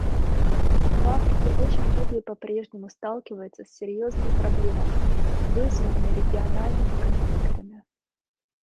В Африке очень многие по-прежнему сталкиваются с серьезными проблемами, вызванными региональными конфликтами.